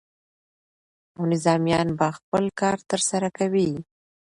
او نظامیان به خپل کار ترسره کوي.